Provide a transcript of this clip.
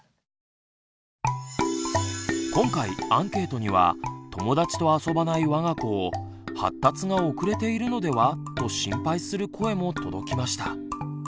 今回アンケートには友だちと遊ばないわが子を「発達が遅れているのでは？」と心配する声も届きました。